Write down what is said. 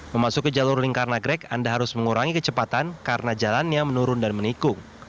memasuk ke jalur lingkaran nagrek anda harus mengurangi kecepatan karena jalannya menurun dan menikung